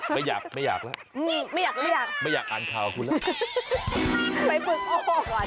ไม่อยากไม่อยากไม่อยากอ่านข่าวของคุณแล้ว